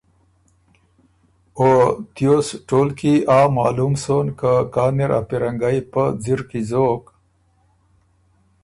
او تیوس ټول کی آ معلوم سون که کان اِر ا پیرنګئ پۀ ځِر زر کی زوک،